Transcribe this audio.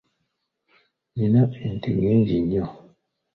Nina ente nnyingi nnyo.